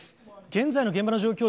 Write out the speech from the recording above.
現在の現場の状況